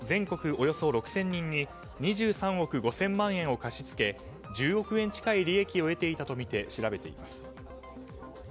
およそ６０００人に２３億５０００万円を貸し付け１０億円近い利益を得ていたとみて調べています。